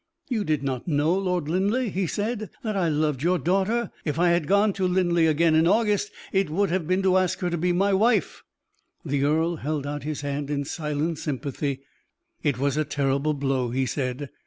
"You did not know, Lord Linleigh," he said, "that I loved your daughter. If I had gone to Linleigh again in August, it would have been to ask her to be my wife." The earl held out his hand in silent sympathy. "It was a terrible blow," he said.